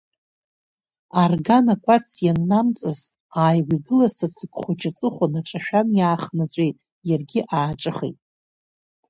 Арган акәац ианнамҵас, ааигәа игылаз Ацгәы хәҷы аҵыхәа наҿашәан, иаахнаҵәеит, иаргьы ааҿыхеит.